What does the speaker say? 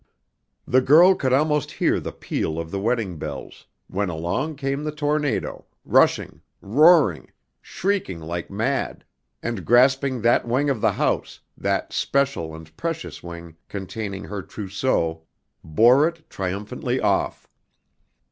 The girl could almost hear the peal of the wedding bells; when along came the tornado, rushing, roaring, shrieking like mad, and grasping that wing of the house, that special and precious wing containing her trousseau, bore it triumphantly off.